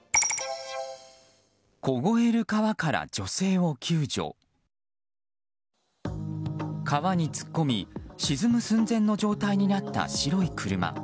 川に突っ込み沈む寸前の状態になった白い車。